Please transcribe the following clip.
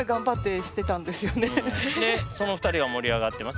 でその２人は盛り上がってます。